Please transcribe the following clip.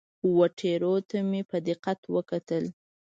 وه ټیرو ته مې په دقت وکتل.